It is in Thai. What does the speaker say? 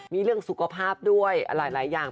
มีเรื่องสุขภาพด้วยอะไรหลายอย่าง